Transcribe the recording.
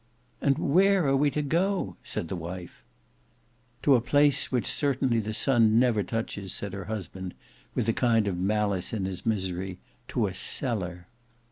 "And where are we to go?" said the wife. "To a place which certainly the sun never touches," said her husband, with a kind of malice in his misery,—"to a cellar!"